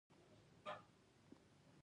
تنور د شنو او سپینو نانو تمثیل دی